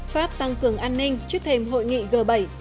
pháp tăng cường an ninh trước thềm hội nghị g bảy